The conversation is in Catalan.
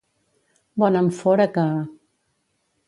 Bona en fora que...